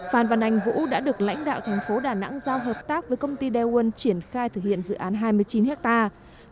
phan văn anh vũ đã được lãnh đạo thành phố đà nẵng giao hợp tác với công ty daewon triển khai thực hiện dự án hai mươi chín hectare